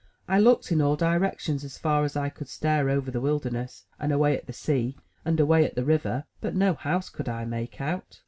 I looked in all directions, as far as I could stare over the wilderness, and away at the sea, and away at the lOI MY BOOKHOUSE river, but no house could I make out.